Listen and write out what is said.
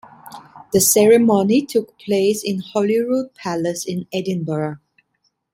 The ceremony took place in Holyrood Palace in Edinburgh.